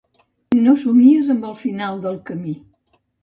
No somies amb el final del camí.